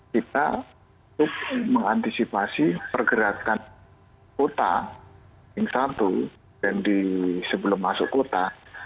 kita untuk mengantisipasi pergerakan kota yang satu dan sebelum masuk kota